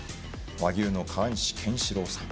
和牛の川西賢志郎さん。